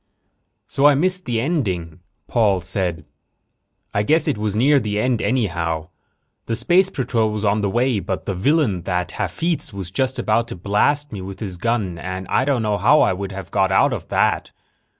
"So I missed the ending," Paul said. "I guess it was near the end, anyhow. The space patrol was on the way, but the villain, that Hafitz, was just about to blast me with his gun and I don't know how I would have got out of that."